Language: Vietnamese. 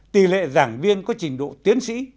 tỷ lệ giảng viên có trình độ tiến sĩ